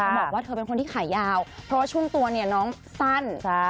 บอกว่าเธอเป็นคนที่ขายาวเพราะว่าช่วงตัวเนี่ยน้องสั้น